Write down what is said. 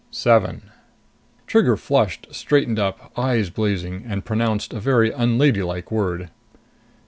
"Seven." Trigger flushed, straightened up, eyes blazing, and pronounced a very unladylike word.